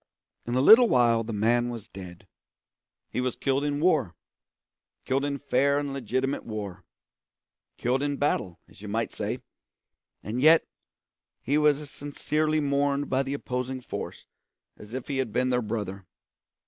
In a little while the man was dead. He was killed in war; killed in fair and legitimate war; killed in battle, as you might say; and yet he was as sincerely mourned by the opposing force as if he had been their brother.